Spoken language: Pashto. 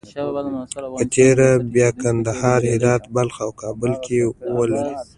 په تېره بیا کندهار، هرات، بلخ او کابل کې یې ولري.